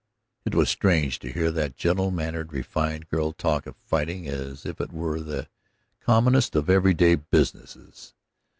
It was strange to hear that gentle mannered, refined girl talk of fighting as if it were the commonest of everyday business.